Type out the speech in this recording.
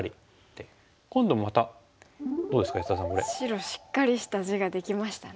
白しっかりした地ができましたね。